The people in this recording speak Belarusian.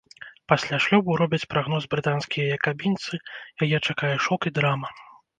Пасля шлюбу, робяць прагноз брытанскія якабінцы, яе чакае шок і драма.